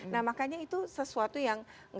nah makanya itu sesuatu yang